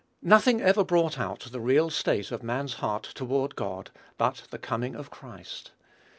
Nothing ever brought out the real state of man's heart toward God but the coming of Christ.